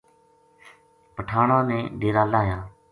پٹھاناں نے ڈیرا لاہیا